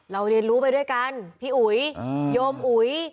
เรียนรู้ไปด้วยกันพี่อุ๋ยโยมอุ๋ย